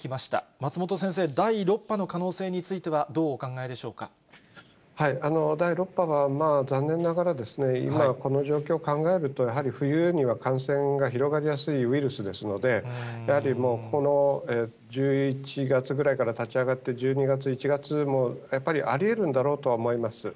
松本先生、第６波の可能性につい第６波は、残念ながら今、この状況を考えると、やはり冬には感染が広がりやすいウイルスですので、やはりもう、この１１月ぐらいから立ち上がって、１２月、１月もやっぱりありえるんだろうなと思います。